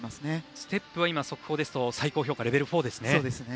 ステップは速報で最高評価レベル４ですね。